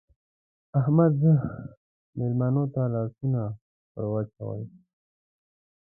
احمده! مېلمنو ته لاسونه ور واچوه.